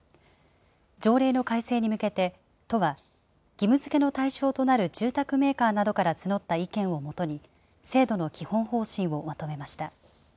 条例の改正に向けて、都は、義務づけの対象となる住宅メーカーなどから募った意見をもとに、制度の基本方針をまとめました。